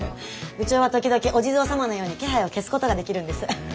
部長は時々お地蔵様のように気配を消すことができるんです。ね。